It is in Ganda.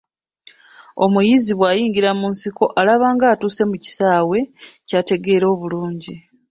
Omuyizzi bw'ayingira mu nsiko alaba ng'atuuse mu kisaawe ky'ategeera obulungi